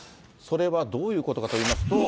それはどういうことかといいますと。